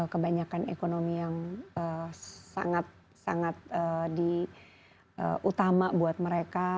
kebanyakan ekonomi yang sangat sangat di utama buat mereka